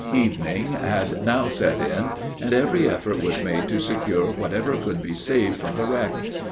Evening had now set in, and every effort was made to secure whatever could be saved from the wreck.